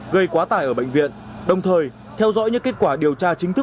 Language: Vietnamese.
gây quá tải ở bệnh viện đồng thời theo dõi những kết quả điều tra chính thức